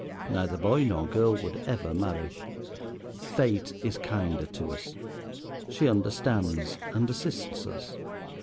Neither boy nor girl would ever marry. Fate is kinder to us. She understands, and assists us.